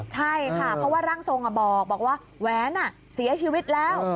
ใช่ค่ะเพราะว่าร่างทรงบอกว่าแหวนเสียชีวิตแล้ว